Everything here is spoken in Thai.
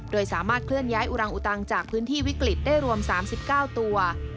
โดยสามารถเคลื่อนย้ายอุรังอุตังจากพื้นที่วิกฤตได้รวม๓๙ตัว